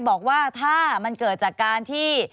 บอกว่าถ้ามันเกิดจากการที่